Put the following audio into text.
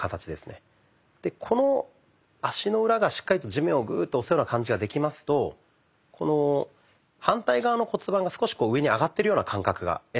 この足の裏がしっかりと地面をグーッと押すような感じができますと反対側の骨盤が少し上に上がってるような感覚が得られると思います。